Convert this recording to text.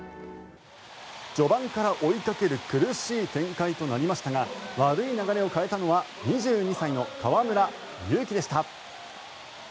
序盤から追いかける苦しい展開となりましたが悪い流れを変えたのは２２歳の河村勇輝でした。